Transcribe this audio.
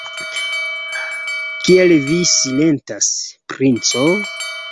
Kial vi silentas, princo?